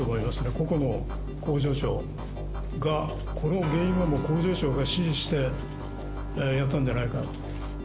個々の工場長がこの原因は、もう工場長が指示してやったんじゃないかと。